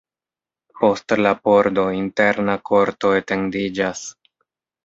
Post la pordo interna korto etendiĝas.